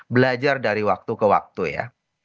belajar dari waktu ke waktu ya